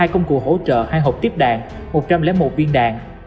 hai công cụ hỗ trợ hai hộp tiếp đạn một trăm linh một viên đạn